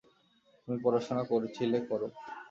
তুমি পড়াশোনা করছিলে, কর।